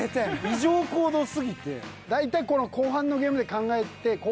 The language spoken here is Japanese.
異常行動すぎて。